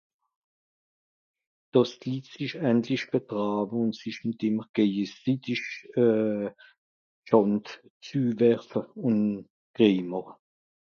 Que les gens s'entendent enfin et ne se rejettent pas la faute